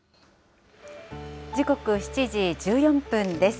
時刻７時１４分です。